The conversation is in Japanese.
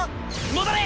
戻れ！